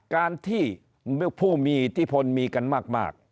การที่ผู้มีอิทธิพลมีกันมาก